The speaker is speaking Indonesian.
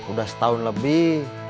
udah setahun lebih